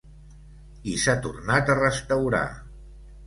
I s'ha tornat a restaurar.